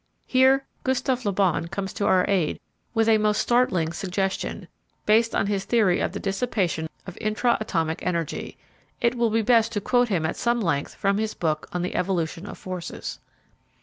Here Dr Gustav Le Bon comes to our aid with a most startling suggestion, based on his theory of the dissipation of intra atomic energy. It will be best to quote him at some length from his book on _The Evolution of Forces.